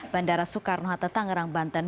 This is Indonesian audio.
bandara soekarno hatta tangerang banten